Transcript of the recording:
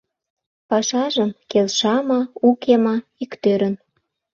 Пашажым, келша ма, уке ма, иктӧрын